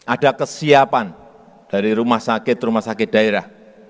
ada kesiapan dari rumah sakit rumah sakit daerah